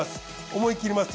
思い切りますよ。